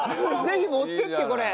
ぜひ持っていってこれ。